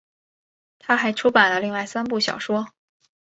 她还出版了另外三部小说。